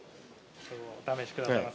◆お試しくださいませ。